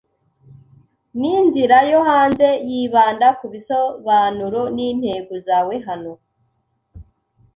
Ninzira yo hanze yibanda kubisobanuro n'intego zawe hano?